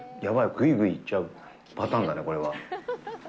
グイグイいっちゃうパターンだね、これは。